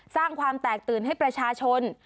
สร้างความแตกตื่นให้ประชาชน